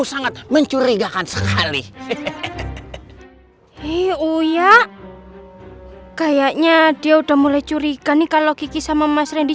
sangat mencurigakan sungguh banget ee uyya kayaknya dia udah mulai curiga nih kalau gigi sama mas rendy